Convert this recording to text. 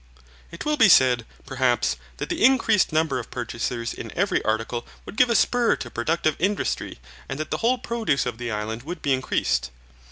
It will be said, perhaps, that the increased number of purchasers in every article would give a spur to productive industry and that the whole produce of the island would be increased.